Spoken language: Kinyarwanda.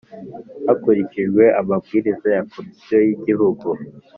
hakurikijwe amabwiriza ya Komisiyo y Igihugu